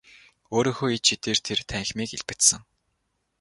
Өөрийнхөө ид шидээр тэр танхимыг илбэдсэн.